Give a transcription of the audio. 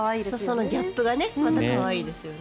そのギャップがまた可愛いですよね。